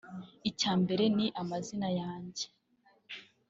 Icya mbere ni amazina yanjye